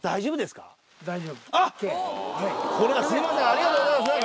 ありがとうございます。